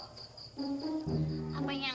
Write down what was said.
ano eh apa ya